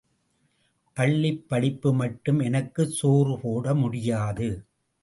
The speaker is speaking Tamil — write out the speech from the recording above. பள்ளிப் படிப்பு மட்டும் எனக்குச் சோறு போட முடியாது.